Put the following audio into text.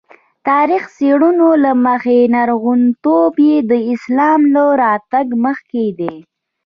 تاریخي څېړنو له مخې لرغونتوب یې د اسلام له راتګ مخکې دی.